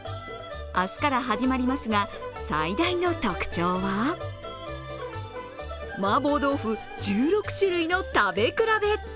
明日から始まりますが、最大の特徴は麻婆豆腐、１６種類の食べ比べ。